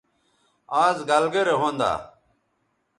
آز گَلگرے ھوندا